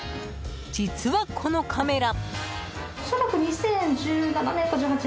実は、このカメラ。